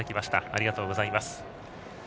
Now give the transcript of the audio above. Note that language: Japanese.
ありがとうございます。